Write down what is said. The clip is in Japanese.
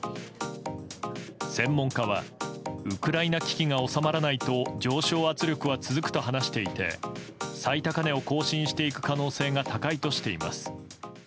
専門家は、ウクライナ危機が収まらないと上昇圧力は続くと話していて最高値を更新していく可能性が高いとしています。